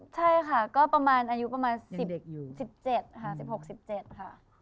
ใช่ค่ะก็ประมาณอายุประมาณ๑๗ค่ะ๑๖๑๗ค่ะ